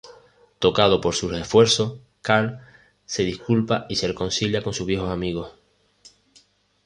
Tocado por sus esfuerzos, Carl se disculpa y se reconcilia con sus viejos amigos.